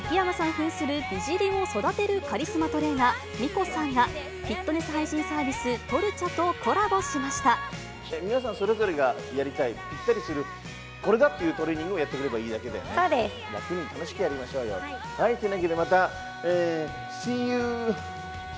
ふんする美尻を育てるカリスマトレーナー、ミコさんが、フィットネス配信サービス、皆さん、それぞれがやりたい、ぴったりする、これだっていうトレーニングをやってくれればいいだけだよね。